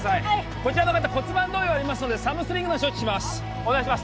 こちらの方骨盤動揺ありますのでサムスリングの処置しますお願いします